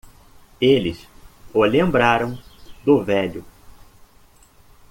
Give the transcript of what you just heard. Eles o lembraram do velho.